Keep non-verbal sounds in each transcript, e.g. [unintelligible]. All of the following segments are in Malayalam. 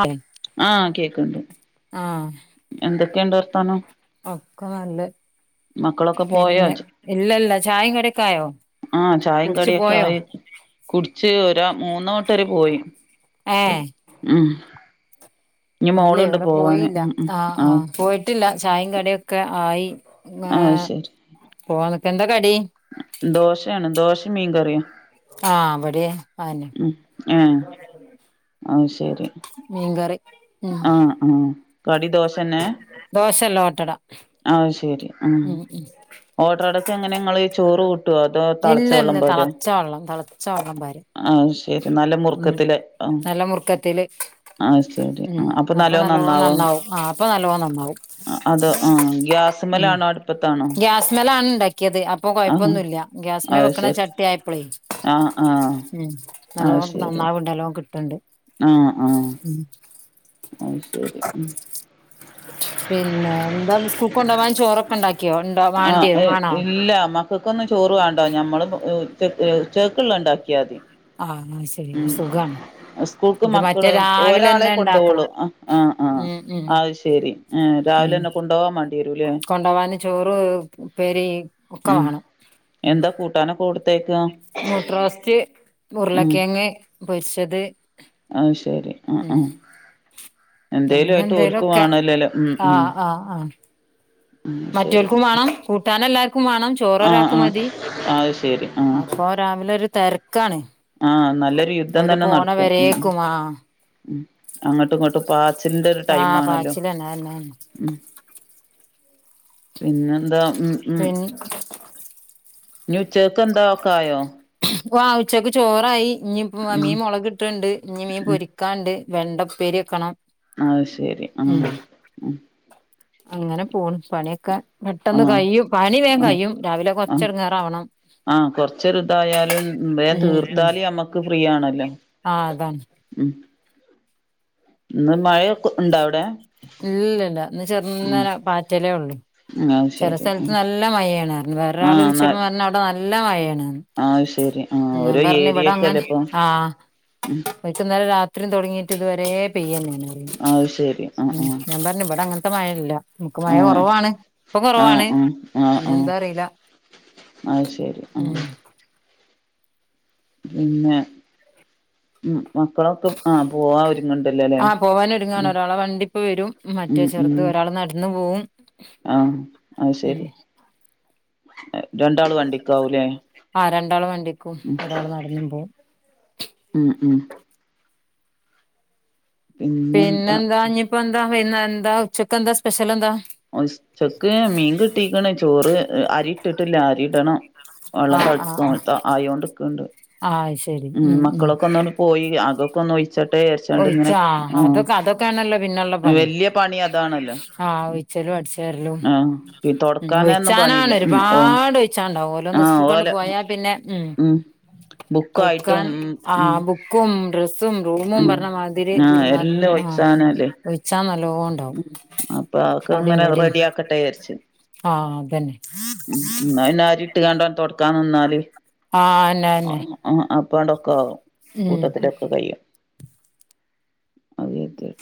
ആഹ് ആഹ് കേക്കുന്നുണ്ട് ആഹ് എന്തൊക്കെയുണ്ട് വർത്താനം ഒക്കെ നല്ല മക്കളൊക്കെ പോയോ പിന്നെ ഇല്ലില്ല ചായയും കടിയൊക്കെ ആയോ ആഹ് ചായേം കടിയൊക്കെ ആയി കുടിച്ച് ഒരാ മൂന്ന് കൂട്ടര് പോയി ഏഹ് ഉം ഇഞ്ഞ് ഇല്ലേ മോള്ണ്ട് ഇവിടെ പോവാന് പോയില്ല ഉം ഉം ആഹ് ആഹ് പോയി ട്ടില്ല ചായയും കടിയൊക്കെ ആയി ആഹ് ശരി പോവാൻ നിക്കുവാ എന്താ കടി ദോശയാണ് ദോശയും മീൻ കറിയും ആഹ് ഇവടെയും അതന്നെ ഉം ആഹ് ആവശ്യ മീൻ കറി ഉം ആഹ് ആഹ് കടി ദോശന്നെ ദോശല്ല ഓട്ടട ആഹ് ശരി ഉം ഓട്ടടക്ക് അങ്ങനെ ഞങ്ങള് ചോറ് കൊ ഇല്ലല്ല തളച്ച വള്ളം തളച്ച വള്ളം പാര ആഹ് ശരി നല്ല മുറുക്കത്തില് ആഹ് നല്ല മുറുക്കത്തില് ആഹ് ശരി ഉം അപ്പൊ നല്ലോണം നന്നാവും ആ അപ്പൊ നല്ലോ നന്നാവും അത് ആ ഉം ഗ്യാസ്മലാണോ അടുപ്പത്താണോ ഗ്യാസ്മേലാണ് ഉണ്ടാക്കിയത് അപ്പൊ ആ കൊഴപ്പവൊന്നുവില്ല ഗ്യസ്മേ വക്കണ ചട്ടിയ ആയപ്പളേ ആഹ് ആഹ് നല്ലപോണക്ക് നന്നാവുണ്ട് നല്ലോ കിട്ട്ണ്ട് ആഹ് ആഹ് ഉം അയ്‌ ശരി ഉം പിന്നെ എന്താ സ്ക്കൂൾക്ക് കൊണ്ടാവാൻ ചോറൊക്കെ ഉണ്ടാക്കിയോ ആ വാണ്ടിയോ വാണോ ഇല്ല മ കൾക്കൊന്നും ചോറ് വാണ്ട ഞമ്മള് ഉച്ച ഉച്ചകെക്ക്‌ള്ള ഉണ്ടാക്കിയാതി ആഹ് അയ്‌ ശരി സുഖാണ് സ്കൂൾക്ക് ഇത് മറ്റേ മക്കള് ഒരാളെ രാവിലെന്നെ കൊണ്ടോവൊളളു ഇണ്ടാക്കണം ആഹ് ആഹ് ഉം ഉം അയ്‌ ശരി എ ഉം രാവിലെന്നെ കൊണ്ടോവാൻ മാണ്ടി വരൂ ലെ കൊണ്ടോവാന് ചോറ് ഉപ്പേരി ഒക്കെ ഉം വാണം എന്താ കൂട്ടാനെക്കെ കൊടുത്തയ്‌ക്കാ മുട്ടറോസ്റ്റ് ഉരുളക്കെയങ്ങ് പൊരിച്ചത് അഹ് ശരി ആഹ് ഉം ആഹ് എന്തേലു അങ്ങനെ ആയിട്ട് ഓൽക്കും എന്തേലൊക്കെ വാണല്ലേല്ലെ ഉം ഉം ഉം ശരി മറ്റൊൽക്കുംവാണം കൂട്ടാൻ എല്ലാർക്കും വാണം ചോറ് ആഹ് ഒരാക്ക് ആഹ് മതി അത് ശരി ആഹ് അപ്പൊ രാവിലെ ഒരു തെര്ക്കാണ് ആഹ് നല്ലൊരു യുദ്ധം ഓല് തന്നെ പോണ നടക്കും ഉം വരേക്കു മാ ഉം അങ്ങട്ടും ഇങ്ങട്ടും പാച്ചിൽന്റെ ഒരു ആ ടൈം ആണല്ലോ [unintelligible] ഉം പിന്നെ എന്താ ഉം പെൻ ഞ്ഞ് ഉചേകക്ക് എന്താ ഒക്കായോ ഓ ആ ഉച്ചക്ക് ചോറായി ഇഞ് ഉം മീൻ മുളക് ഇട്ടണ്ട് ഇഞ് മീൻ ഉം പൊരി ക്കാണ്ട് വെണ്ടപ്പേരി വെക്കണം അഹ് ശെരി ഉം ആഹ് ഉം അങ്ങനെ പോണ് പണിയൊക്കെ പെട്ടെന്ന് ആഹ് കഴിയും പണി വേം കഴിയും രാവിലെ കൊർച്ച് എടങ്ങേറാവണം ആ കൊർച്ചൊര് ഇതായാലും വേം ഉം ഉം തീർത്താല് അമ്മക്ക്‌ ഫ്രീ ആണല്ലോ ആ അതാണ് ഉം ഇന്ന് മയൊക്കെ ഉണ്ടാവ് ഇല്ല ഇല്ല ഇന്ന് ഉം ചെർന്നനെ പാറ്റലേ ഉള്ളൂ അത് ചെല ശരി സ്ഥലത്ത് ഉം നല്ല മയെണർഞ്ഞ് വേറൊരാൾ ആഹ് ന വിളിച്ചപ്പം പർഞ്ഞ് അവ്ടെ നല്ല മയെണ് അത് ശരി ആഹ് ഞാൻ ഓരോ പർഞ്ഞ് വടെ അങ്ങ ഏരിയക്കല്ലേ ഇപ്പൊ ആഹ് ഉം ഓൽക്ക് ഇന്നലെ രാത്രി തൊടങ്ങിട്ട് ഇതുവരെ പെയ്യന്നെ അഹ് ശരി ആ ഉം ഞാൻ പർഞ് ഇവട അങ്ങൻത്ത മഴ ല്ല ആ മഴ ആഹ് കൊറവാണ് പ്പൊ ആഹ് കൊറവാണ് ഞന്താ അറീല അയ് ശരി ആഹ് പിന്നെ ഉം മക്കളൊക്കെ ആ പോവാ ഒര്ങ്ണ്ട്ല്ലോ ലെ ഉം പ്പം വരും മറ്റേ ഉം ചെർത് ഉം ഒരാള് നട്ന്ന് പോവും ആഹ് അയ്‌ ഉം ശരി രണ്ടാളും വണ്ടിക്കാവുലെ ആ രണ്ടാള് വണ്ടിക്കും ഒരാള് നടന്നും പോവും ഉം ഉം പിന്നെന്താ ഇഞ്ഞിപ്പോന്താ വൈന്ന ന്താ ഉച്ചക്കെന്താ സ്പെഷ്യല് എന്താ ഉസ്ചക്ക് മീൻ കിട്ടീക്ക്ണ് ചോറ് അരി ഇട്ടിട്ടില്ല അരിടണം ആഹ് ആഹ് ആഹ് [unintelligible] ആയോണ്ട്ക്ക്‌ണ്ട് [unintelligible] ഉം മക്കളൊക്കെ ഒന്നാണ്ട് പോയി അകൊക്കെന്നൊയ്‌ ച്ചട്ടെ യര്ചാണ്ട് ഇങ്ങനെ ഒഴിച്ചാ ആ അതൊക്കെ അതൊക്കെയാണല്ലോ പിന്നെയുള്ള പണി വല്യ പണി അതാണല്ലോ ആഹ് ഒഴിച്ചലും അടിച്ചര്ല്ലും ആഹ് ഉ തൊടക്കാനൊന്നും ഒഴിച്ചാനാണ് പണിയില്ല ഉം ഓ ഒരുപാട് ഒഴിച്ചാണ്ടാവും ഓലോന്ന് ആഹ് സ്കൂൾകാ ണ്ട് ഓലെ പോയാ പിന്നെ ഉം ഒ ബുക്കായിട്ടും യ്ക്കാൻ ആ ഉം ബുക്കും ഡ്രസ്സും റൂമും ഉം മാതിരി ആഹ് ന എല്ലാം ആ ഒഴിച്ചാനല്ലേ ഒഴിച്ചാ നല്ലൊണ്ട് അപ്പൊ അതൊക്കെ ങ്ങനെ റെഡി ആക്കട്ടെ വിചാര്ച്ച് ആഹ് അതന്നെ മ്മ്ഹ്. ന്നാ പിന്നെ ആരി ഇട്ട്കാണ്ട് ണ്ട് തോടക്കാൻ നിന്നാല്. ആഹ അന്നെന്നെ ആ അപ്പാണ്ടൊക്കെ ആും കൂട്ടത്തിലൊക്കെ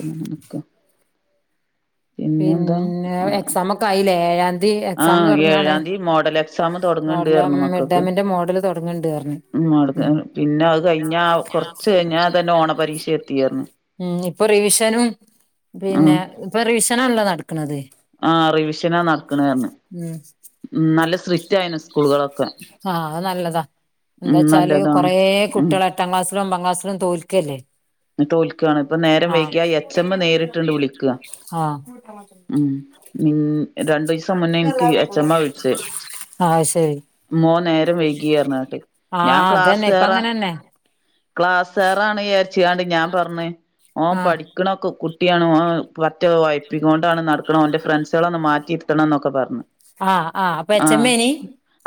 [unintelligible] പിന്നെന്ത എക്സമാക്കയിലെ ദി എക്സാം ആഹ് തുടങ്ങാണ് ഏഴാംതി മോഡൽ എക്സാം തൊടങ്ങ്ണ്ട് മോഡല മിഡ്ടേമിൻ്റെ മോഡല് തുടങ്ങണ്ട്റഞ് ഉംആൾക്ക് പിന്നെ അത് കഴിഞ്ഞ കൊറച്ച് കഴിഞ്ഞ തന്നെ ഓണ പരീക്ഷ എത്തിയരുന്നു ഉം ഇപ്പൊ റിവിഷനും ആഹ് പിന്നെ ഇപ്പൊ റിവിഷനാണല്ലോ നടക്കണുന്നത് ആ റിവിഷനാ നടക്കണറഞ്ഞ് ഉം ഉം നല്ല ആയിന് സ്കൂളുകളൊക്കെ ആഹ അത് നല്ലതാ ഉം ന്താച്ചാല് നല്ലതാണ് കൊറേ ഉം കുട്ടിളെ ത്താം ക്ലാസിലും ഒംബാക്ലാസിലും തോൽക്കല്ലേ ന്ന് തോൽക്കാണ് ഇപ്പ നേരം ആഹ് വൈകിയ എച്ച് എമ്മ നേരിട്ടുണ്ട് വിളിക്കും [unintelligible] മ രണ്ടീസം മുന്നേ നിക്ക് എച്ചമ്മ വിളിചേ ആഹ് ശരി മോൻ നേ രം വൈകിറഞ്ഞ്ണ്ട് ഞാൻ ആഹ് ക്ലാസ് അതന്നെ ഇപ്പ കേറാ അങ്ങനെന്നെ ക്ലാസേറാണ്ജാരിച്ചാണ്ട് ഞാൻ പറഞ്ഞ് ആഹ് ടിയാണ് പറ്റെ ഒഴിപ്പികൊണ്ടാണ് നടക്ന ഓന്റെ ഫ്രെണ്ട്സ് കളെ മാറ്റി ഇ രു ത്തണം ഒക്കെ പറഞ്ഞു ആഹ് ആഹ് അപ്പൊ എച്ചമ്മേനി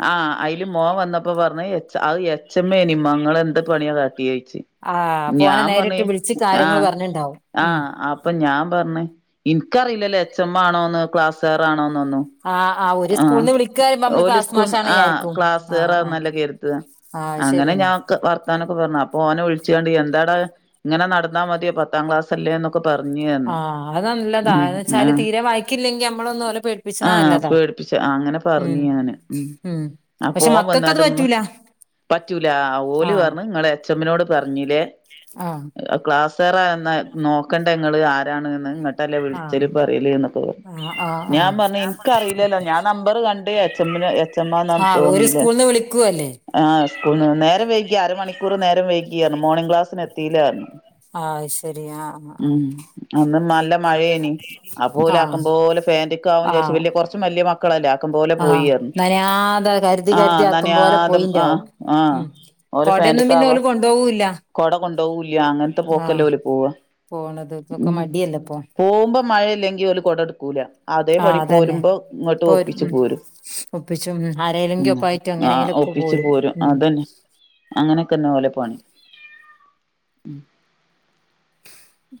ആഹ് അയില് മോൻ വന്നപ്പോ പറഞ്ഞ് അത് എച്ചമ്മേനി മ്മ ങ്ങള്ന്ത് പണിയാ കാട്ടിയെന്നു ആഹ് അപ്പോനെ ഞാൻ പറന്ന് നേരിട്ട് വിളിച്ച് കാര്യങ്ങള് ആഹ പറഞ്ഞിണ്ടാവും ഉം ആഹ പ്പൊ ഞാൻ പറഞ്ഞ് ഇനിക്കറിയില്ലല്ലോ എച്ച് എം ആണോന്ന് ക്ലാസാർ ആണോന്ന്ന്നും ആ് ആ ഓര് സ്കൂളിന്ന് വിളിക്കറയുമ്പോ മ്മള് ക്ലാസ് സ്കൂൾന്ന് മാഷാണന്ന് ആഹ് വിചാരിക്കും ആ ആ ക്ലാസ്സാറാന്നല്ലേ കരുതാ ആഹ അങ്ങനെ ശരിനാ ഞാൻ വർത്താനൊക്കെ പറഞ്ഞു അപ്പോ ഓനെ വിളിച്ച്കണ്ട് എന്താടാ ങ്ങനെ നടന്നാ മതിയോ പത്താം ക്ലാസ് ല്ലേ എന്നൊക്കെ പറഞ്ഞു റഞ് ആഹ് അത് നല്ലതാ എന്ന് ഉ വെച്ചാല് ആഹ തീരെ വായിക്കില്ലെങ്കി നമ്മളൊന്ന് ഓലെ പേടിപ്പിച്ച്ണ ആഹ നല്ലതാ പേടിപ്പിച്ച അങ്ങനെ ഉം പറഞ്ഞു ഞാന് ഉം ഉ ആ പക്ഷെ പോവാൻ മക്കക്കത് വന്നട്ട് പറ്റൂല പറ്റൂല ഓല് ആഹ് പറഞ്ഞു നിങ്ങളെ എ ച്ചമ്മിനോട് പറഞ്ഞില്ലേ ആഹ് ക്ലാസ്സേറ എന്നാ നോക്കേണ്ട നിങ്ങൾ ആരാണ് ല്ല ആഹ് വിളിച്ചല് പറലേ എന്നൊക്കെ പറഞ്ഞു ആഹ് ആഹ് ഞാൻ പറഞ്ഞു ആഹ് എനിക്ക അറിയില്ലല്ലോ ഞാൻ നമ്പർ കണ്ട് എച്ച് എമ്മന് മാ ന ആഹ് ഒരു തോന്നീല്ലേ സ്കൂൾന്ന് വിളിക്കുവല്ലേ ആ് സ്കൂ നേരം വൈകി അരമണിക്കൂർ നേരം വൈകിയായിരുന്നു മോർണിംഗ ക്ലാസ്സിന് എത്തില്ലായിരുന്നു ആഹ ശരിയാ ഉം അന്ന് നല്ല മഴേനി ആ പോലെ ആഹ് ആക്കും പോോലെ ഫാൻറിിക്ക ആും ചാരിച്ച ആഹ് വലിയ കുറച്ചും വലിയ മക്കളല്ലേ ആക്കും പോോലെ പോയിായിരുന്നു നനാതെ കരുതി കരുതി ആക്കും പോോലെ ഞാൻ പോയിന്റകും ആഹ് ആഹ് ഉം ഓല് കൊടയൊന്നും പിന്നെ ഓൽ കൊണ്ട് കൊണ്ടൊവുല്ല കൊണ്ടൊവുല്ല അങ്ങനത്തെ പോക്കെല്ലാം ഓ ല് പോവാ പോണത് ഇതൊക്കെ ഉ മടിയല്ലേ ഇപ്പൊ പോവുമ്പോ മഴയില്ലെങ്കിൽ ഒരു കുട എടുക്കൂല ആഹ് അതേപടി അതന്നെ പോരുമ്പോ ഇങ്ങോട്ട് ഇപ്പൊ ഒരു ഒപ്പിിച്ച് ഉം പോരും ഒപ്പിച്ചും ആരേലെങ്കിലും ഒക്കെ ആയിട്ട് ആ എങ്ങനെങ്കിലൊക്കെ ഒപ്പിിച്ചച്ച് പോരും ഉം അതന്നെ അങ്ങനെയൊക്കെന്ന ഓ ലെ പണി ഉം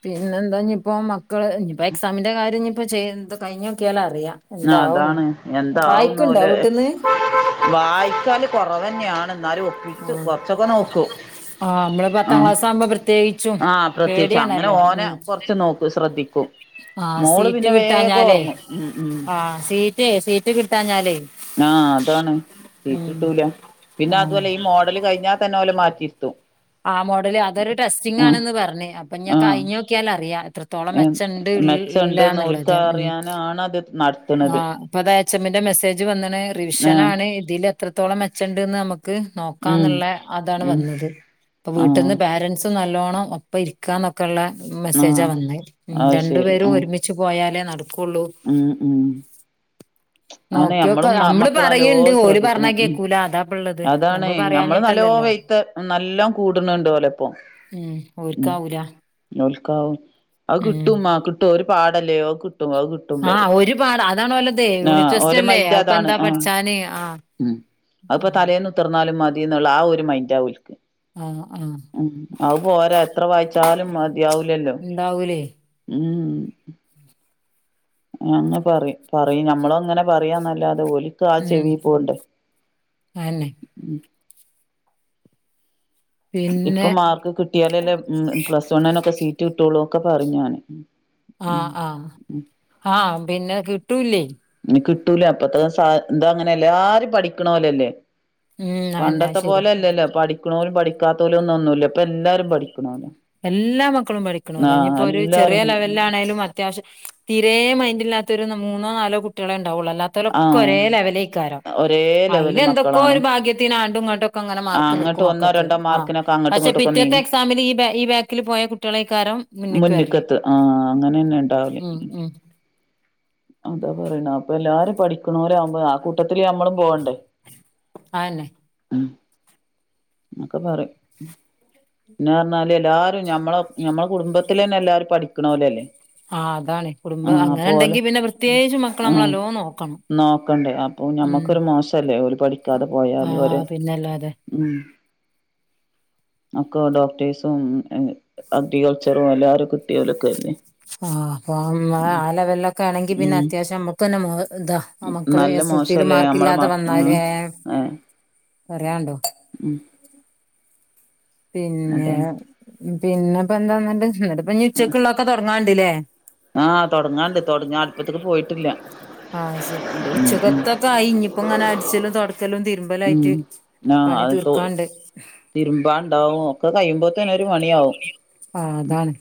പിന്നെ എന്താ ഇപ്പോ മക്കള് ഇനിയിപ്പോ എക്സാമിന്റെ കാര്യം ഇപ്പോ ചെയ്ത് കഴിഞ്ഞ നോക്കിയാല അറിയാം ആ എന്താവുന്ന് അതാണ് എന്താവുന്ന വായിക്കുണ്ടോ പോലെ വീട്ടിന്ന് വായിക്കാല് കുറവ തന്നെയണ എന്നാലും ആ ഒപ്പിച്ച് കൊറച്ചൊക്കെ നോക്കും ആ നമ്മള് പത്താം ക്ലാസ് ആവുമ്പോ പ്രത്യേകിച്ച് ആഹ പ്രത്യേകിച്ച് അങ്ങനെ ഓനെ കൊറച്ച്ു നോക്കൂ ശ്രദ്ധിക്കും ആഹ് മോള് സീറ്റ് പിന്നെ വേഗം ഓർമ്മു ഉം ഉ േ സീറ്റ് കിട്ടാഞ്ഞാലേ ആഹ അതാണ് ഉം വീട്ടിട്ടൂല പിന്നെ ആഹ് അതുപോലെ ഈ മോഡല് കഴിഞ്ഞാൽ തന്നെ ഓലെ മാറ്റിയിരുത്തു ആ മോഡല് അതൊരു ടെസ്റ്റിംഗ ആണന്ന് പറഞ്ഞഞ് അപ്പൊ ഞാൻ ആഹ് കഴിഞ്ഞഞ് നോക്കിയാൽ അറിയത്ര ത്തോളം മെച്ച ഉണ്ട് ഇല്ലന്നുള്ളത് ഉ നത്ത ആഹ് അപ്പ അത എച്ച് എമ്മിന്റെ മെസ്സേജ് വന്നണ് റിവിഷൻ ആഹ് ആാണ് ഇതിൽ എത്രത്തോളം മെച്ചണ്ടന്ന് നമുക്ക് ഉം നോക്കാന്നുള്ള അതാണ് ഉം വന്നത് ഇപ്പ ആഹ് വീട്ടിൽന്ന് പോരൻറ്സും നല്ലോണ്ണം ഒപ്പ ഇരിക്ക ക്കാന്നൊക്കെയള്ള മെസ്സേജാ ആഹ് വന്ന അത് രണ്ടു ശരി പേരും ആഹ് ഒരുമിച്ച് പോയാലേ നടക്കുള്ളൂ ഉം ഉം ആനെ നോക്കിയോക്ക ഞമ്മളും നമ്മള് മക്കളല്ലോ പറയ്ണ്ട് ഓല് പറഞ്ഞാ ശ്രദ്ധിക്കണം കേക്കൂല അതാപ്പള്ളത് അതാണ് ഞമ്മള് നല്ലോ പറയാഞ്ഞിട്ടല്ലല്ലോ വെയത്ത് നല്ല കൂടുന്നുണ്ട് പോലെ ഇപ്പൊ ഉം ഓക്കാവൂല ഉൽക്കാവും അ കിട്ടും്മ കിട്ടും ഒരു പാടല്ലേോ അ കിട്ടും അ കിട്ടും പറയും ആഹ ഒരുപാട് അതാണ് വല്ലത് ആഹ് യൂണിറ്റ് ടെസ്റ്റ ഓലെ അല്ലേ മൈൻഡ് അപ്പൊ എന്താ പഠിച്ചാന് ആ അപ്പൊ തലേന്ന് ഉത്തർന്നാലും മതിന്നുള്ള ആ ഒരു മൈൻറാൽക്ക് ആഹ് ആഹ് ഉ അവ പോരാ എത്ര വായിച്ചാലും മതിയാവലല്ലോ ഇണ്ടാവൂലേ ഉം അങ്ങ് പറ പറയും നമ്മള അങ്ങനെ പറയാന്നല്ലാതെ പോലി കാ ചെവി ഉം പോണ്ട അന്നെ പിന്നെ ഇപ്പൊ മാർക്ക് കിട്ടിയാലല്ലേ പ്ലസ് വണ്ണിനൊക്കെ സീറ്റ് കിട്ടുള്ളൂൊക്കെ പറഞ്ഞാന് ആഹ് ആഹ ആഹ പിന്നെ കിട്ടൂല്ലേ ഇ കിട്ടൂല അപ്പത്ത എന്താ അങ്ങനെയല്ലേ ആരും പഠിക്കണലല്ലേ ഉം അന്നെ പണ്ടത്തെ ശരി പോലെല്ലല്ലോ പഠിക്കണലും പഠിക്കാത്ത പോലും ഒന്നും ഒന്നുമല്ല ഇപ്പൊ എല്ലാരും പഠിക്കണലോ എല്ലാ മക്കളും പഠിക്കണല്ലോ ഇനിയിപ്പോൊ ഒരു ചെറിയ എല്ലാരും ലെവലിലാണേലും അത്യാവശ്യം തീരെേ മൈൻഡ് ഇില്ലാത്ത ഒരു മൂന്നോ നാലോ കുട്ടികളെ ഉണ്ടാവുള്ളൂ അല്ലാത്ത [inaudible] ആഹ് ഒരെലെവലേ കാരോ ഒരേ അയിൽ ലെവല് എന്തൊക്കോ മക്കളാണ് ഒരു ഭാഗ്യത്തിന്ാണ്ടും ഇങ്ങോട്ടക്ക അങ്ങനെ ആ മാർക്ക് അങ്ങോട്ട് നക്കും ഒന്നോ മക്കൾക്ക് രണ്ടോ ആ മാർക്കിനൊക്കെ അങ്ങോട്ടും പക്ഷെ ഇങ്ങോട്ടൊക്കെ പിറ്റേത്തെ നീങ്ങും എക്സാമിൽ ഈ ഈ ബാക്കിൽ പോയ കുട്ടികളെക്കാരം മുന്നക്ക് വരല്ലേ മുന്നിക്കത്ത് ആഹ് അങ്ങനെന്നെ ഉണ്ടാവല് ഉ ഉ അതാ പറയണ അപ്പൊ എല്ലാരും പഠിക്കണോരവുമ്പോ ആ കുട്ട ട്ടത്തില് നമ്മളും പോവണ്ടേ അതന്നെ ഉ എന്നൊക്കെ പറയും പിന്നെ പറഞ്ഞാല് എല്ലാരും മ്മളെ നമ്മെ കുടുംബത്തി തന്നെ എല്ലാരും പഠിക്കണല്ലേ അല്ലേ ആഹ് അതാണ് കുടുംബം അങ്ങനെ ഉണ്ടെങ്കി പിന്നെ വൃ ആ നോക്കണ്ടേ അപ്പൊ ഉം ഞമ്മക്കൊരു മോശല്ലേ ഒരു പഠ ക്കാതെ പോയാല് ഒര് ആഹ് പിന്നല്ലാതെ ഉ അക്കൊ ഡോക്ടേഴ്സും അഗ്രികൾച്ചറും എല്ലാരും കിട്ടിയലൊക്കെല്ലേ ആഹ അപ്പം ആ ലെവലൊക്കെ ആണെങ്കി പിന്നെ ഉം അത്യാവശ്യം നമ്മുക്ക് തന്നെ ഇതാ ആ മക്കള് നല്ല എസ് എൽ സൽ മാർക്ക് ഇല്ലാതെ വന്നാല് ആഏ പറയണ്ടോ ഉം പിന്നെ അതെ പിന്നെ ഇപ്പ എന്താന്ന് എന്നിട്ടപ്പ ഉച്ചക്കുള്ളള്ളൊക്കെ തുടങ്ങാണ്ടല്ലേ ആഹ് തുടങ്ങാണ്ട് തുട [unintelligible] അല്പ്പത്തേക്ക് പോയിട്ടില്ല ആഹ് ശരിന്റെ ഉം ഉം ഉച്ചക്കത്തൊക്കെ ആയി ഇയിപ്പോ ഇങ്ങനെ അടിച്ചല്ലും തു ക്കല്ലും ഉം തിരുമ്പലായിട്ട് ആ പണി അത് തോ തീർക്കാണ്ട് തിരുമ്പാണ്ടാവും ഒക്കെ കഴിയുമ്പോത്തേന്നെ ഒരു മണിയാവും ആഹ്, അതാണ്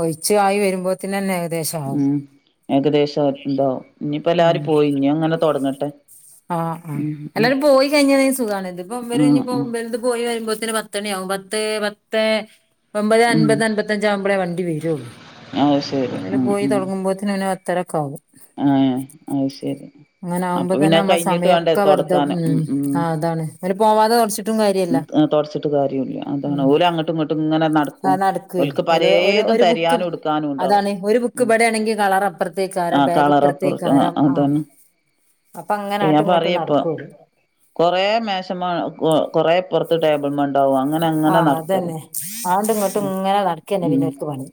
ഒഴിച്ചു ആയി വരുമ്പോത്തന്നന്നെ ഏകദേശം ആവും ഉം ഏകദേശം എന്തോ ഇനിയിപ്പോ എല്ലാവാരും പോയി ഇനി അങ്ങനെ തുടങ്ങട്ടെ. ആഹ, ആ എല്ലാരും പോയി കഴിഞ്ഞ സുഖമാണ് ഇത് ഇപ്പ ഇവര് ആ ഞ ഇപ്പോ ആ ഇത് പോയി വരുമ്പോതിന് പത്ത്ണിയ ആകും പത്ത്, പത്തെ ഒമ്പത് ഉം അൻപത്, അമ്പപത്ത അഞ്ച ആകുമ്പോഴേ വണ്ടി വരുള്ളൂ അത് ശരി അതില് ഉം പോയി തുടങ്ങുമ്പോതി ഇങ്ങൂനെ അത്ര ഒക്കെ ആവും ആഹ്, അത് ശരി അപ്പ അതന്നെ നമ്മള സമയൊക്കെ വെറുത ഉം, ആ അതാണ് അവര് പോവാതെ തുടച്ചിട്ടും കാര്യമല്ല ആ തുടച്ചിട്ട് കാര്യല്ല, അതാണ് ഓര് അങ്ങോട്ടും ഇങ്ങോട്ടും ഇങ്ങനെ നടക്കും, അത് നടക്കുവേ അവർക്ക് ഓല് ഒരു പലേതും ഒരു ബുക്ക് തെരയാനും ഇട് അതാണ് ഒരു ബുക്ക് ഇപടെയാണെങ്കിൽ കളർ അപ്പുറത്ത് ആ എയ്കാരം ബാഗ് കളറപ്പുറത്ത് ആ ഇപ്പുറത്തേയ്കാരം, അതാണ് അപ്പൊ അങ്ങനെ അങ്ങോട്ടും ഇങ്ങോട്ടും നടക്കും ഓല് കുറേ മേശമേ, കൊറ ഇപുറത്ത് ടേബിൾ മണ്ടാവും അങ്ങനെ, അങ്ങനെ ആഹ് നടക്കും അതന്നെ, ആണ്ട് ഇങ്ങോട്ടും ഇങ്ങനെ നടക്കന്നെ ഉം പിന്നോക്ക് പണി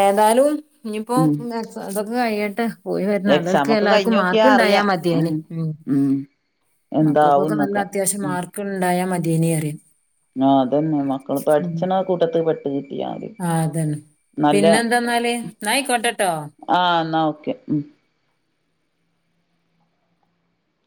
ഏതാലും ഇനിയിപ്പൊ ഉം അതൊക്കെ കഴിയട്ടെ പോയി വരുന്നല്ലൾക്ക് എക്സാം ഒക്കെ എല്ലാർക്കും കഴിഞ്ഞോക്കിയാ മാർക്ക് ഇണ്ടായാ അറിയാം മതിയെനി ഉം മക്കൾക്കൊക്കെ നല്ല എന്താവുംന്നൊക്കെ അത്യാവശ്യം ഉം മാർക്ക് ഉണ്ടായ മതിേന പറയാ ആ അതന്നെ മക്കള് പഠിച്ചണ കൂട്ടത്ത്ൽ പെട്ട് കിട്ടിയ മതി ആഹ് അതന്നെ നല്ല പിന്നെ എന്താന്നാല് ന്നാ ആ യിക്കോട്ടെട്ടൊ ആഹ് എന്നാൽ ഓക്കെ.